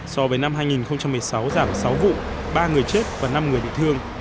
so với năm hai nghìn một mươi sáu giảm sáu vụ ba người chết và năm người bị thương